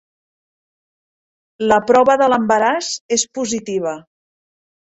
La prova de l'embaràs és positiva.